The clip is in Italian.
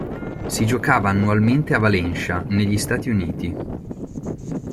Si giocava annualmente a Valencia negli Stati Uniti.